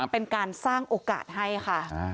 เป็นการสร้างโอกาสให้ค่ะ